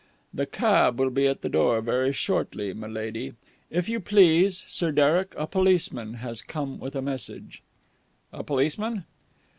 "The cab will be at the door very shortly, m'lady. If you please, Sir Derek, a policeman has come with a message." "A policeman?"